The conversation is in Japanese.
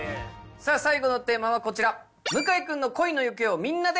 最後のテーマはこちら。